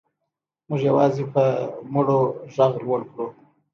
موږ یوازې په مړو غږ لوړ کړو.